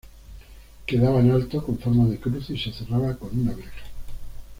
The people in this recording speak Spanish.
Quedaba en alto, con forma de cruz y se cerraba con una verja.